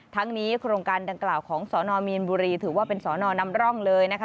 ทั้งนี้โครงการดังกล่าวของสนมีนบุรีถือว่าเป็นสอนอนำร่องเลยนะคะ